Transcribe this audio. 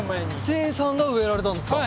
誓さんが植えられたんですか？